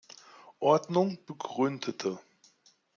Ordnung" begründete.